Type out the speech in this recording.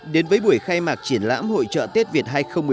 đến với buổi khai mạc triển lãm hội trợ tết việt hai nghìn một mươi chín